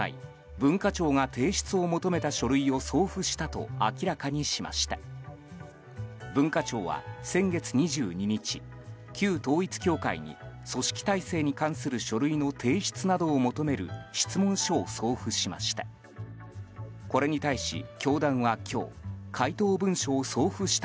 文化庁は先月２２日旧統一教会に組織体制に関する書類の提出などを求める質問書を送付しました。